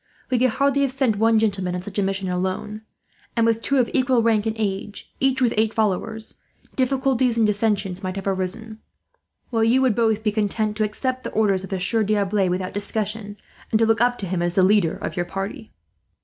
We could hardly have sent one gentleman on such a mission, alone; and with two of equal rank and age, each with eight followers, difficulties and dissensions might have arisen; while you would both be content to accept the orders of the Sieur D'Arblay without discussion, and to look up to him as the leader of your party."